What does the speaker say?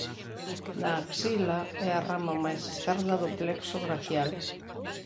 Na axila é a rama máis externa do plexo braquial.